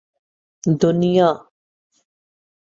دنیا